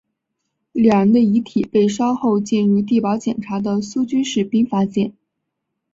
两人的遗体被稍后进入地堡检查的苏军士兵发现。